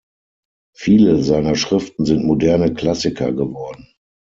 Viele seiner Schriften sind moderne Klassiker geworden.